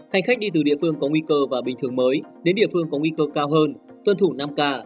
hành khách đi từ địa phương có nguy cơ và bình thường mới đến địa phương có nguy cơ cao hơn tuân thủ năm k